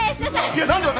いや何で私！？